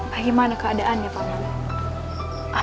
bagaimana keadaannya paman